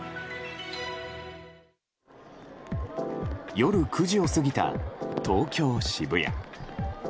夜９時を過ぎた東京・渋谷。